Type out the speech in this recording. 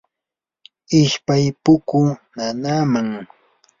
ishpay pukuu nanaaman.